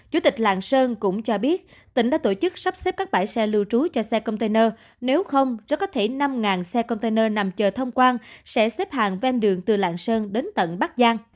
chủ tịch lạng sơn cũng cho biết tỉnh đã tổ chức sắp xếp các bãi xe lưu trú cho xe container nếu không rất có thể năm xe container nằm chờ thông quan sẽ xếp hàng ven đường từ lạng sơn đến tận bắc giang